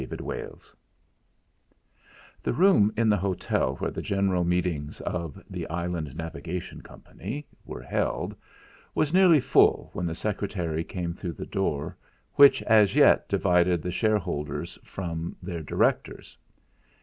II 1 The room in the hotel where the general meetings of "The Island Navigation Company" were held was nearly full when the secretary came through the door which as yet divided the shareholders from their directors.